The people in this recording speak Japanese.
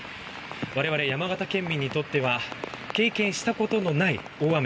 我々、山形県民にとっては経験したことのない大雨。